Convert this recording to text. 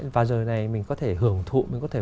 và rồi này mình có thể hưởng thụ mình có thể